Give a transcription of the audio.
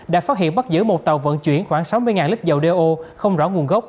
đã phát hiện bắt giữ một tàu vận chuyển khoảng sáu mươi lít dầu đeo không rõ nguồn gốc